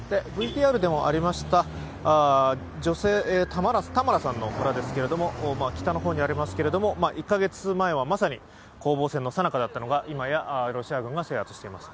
ＶＴＲでもありました女性、タマラさんの村ですけれども北の方にありますけれども１カ月前はまさに攻防戦のさなかだったのが、今やロシア軍が制圧しています。